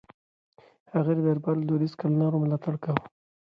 هغه د دربار له دوديزو کړنلارو ملاتړ کاوه.